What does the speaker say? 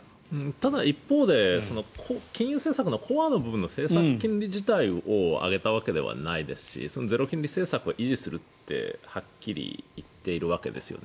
ただ、一方で金融政策のコアの部分の政策金利自体を上げたわけではないですしゼロ金利政策は維持するってはっきり言っているわけですよね。